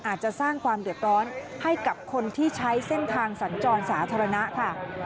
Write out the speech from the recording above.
อาจจะสร้างความเดือดร้อนให้กับคนที่ใช้เส้นทางสัญจรสาธารณะค่ะ